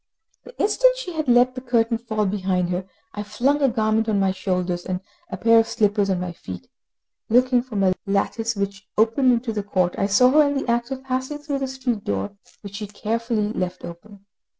The instant she had let the curtain fall behind her, I flung a garment on my shoulders and a pair of slippers on my feet. Looking from a lattice which opened into the court, I saw her in the act of passing through the street door, which she carefully left open.